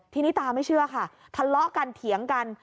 ทีนี้ตาไม่เชื่อค่ะทะเลาะกันเถียงกัน